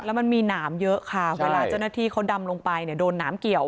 แล้วมันมีหนามเยอะค่ะเวลาเจ้าหน้าที่เขาดำลงไปเนี่ยโดนหนามเกี่ยว